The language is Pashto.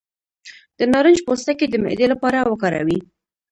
د نارنج پوستکی د معدې لپاره وکاروئ